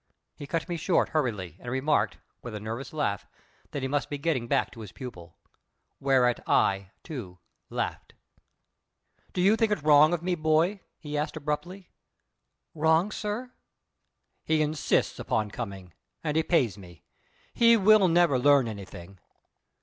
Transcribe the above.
He cut me short hurriedly, and remarked, with a nervous laugh, that he must be getting back to his pupil. Whereat I, too, laughed. "Do you think it wrong of me, boy?" he asked abruptly. "Wrong, sir?" "He insists upon coming; and he pays me. He will never learn anything.